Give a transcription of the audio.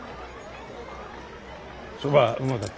そばうまかった。